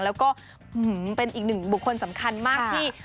แล้วก็เป็นอีกหนึ่งบุคคลสำคัญมากที่